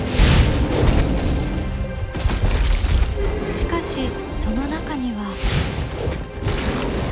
しかしその中には。